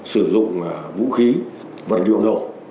sử dụng vũ khí vật liệu nổ